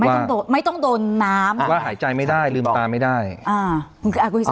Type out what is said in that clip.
ไม่ต้องไม่ต้องโดนน้ำว่าหายใจไม่ได้ลืมตาไม่ได้อ้าว